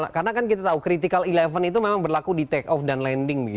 karena kan kita tahu critical sebelas itu memang berlaku di take off dan landing